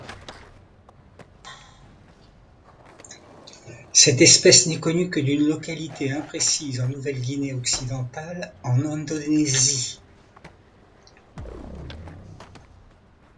Cette espèce n'est connue que d'une localité imprécise en Nouvelle-Guinée occidentale en Indonésie.